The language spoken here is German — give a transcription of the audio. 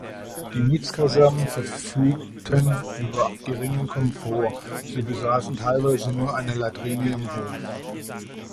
Die Mietskasernen verfügten über geringen Komfort; sie besaßen teilweise nur eine Latrine im Hof.